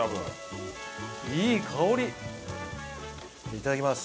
いただきます。